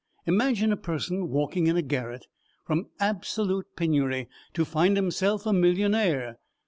Imagine a person walking in a garret from absolute penury to find himself a millionaire.